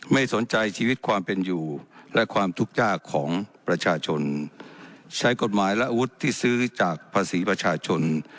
ไม่สนใจชีวิตความเป็นอยู่และความทุกข์ยากของประชาชนใช้กฎหมายและอาวุธที่ซื้อจากภาษีประชาชน